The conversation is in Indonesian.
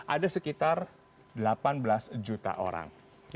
ada sekitar delapan belas juta orang